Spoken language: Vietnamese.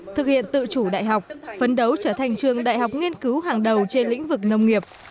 thực hiện tự chủ đại học phấn đấu trở thành trường đại học nghiên cứu hàng đầu trên lĩnh vực nông nghiệp